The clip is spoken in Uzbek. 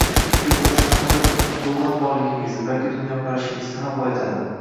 Koʻp oʻqish nafaqat lugʻat boyligingizni, balki dunyoqarashingizni ham boyitadi